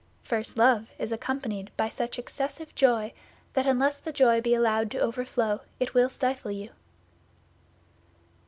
First love is accompanied by such excessive joy that unless the joy be allowed to overflow, it will stifle you.